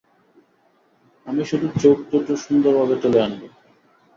আমি শুধু চোখ দুটো সুন্দরভাবে তুলে আনবো।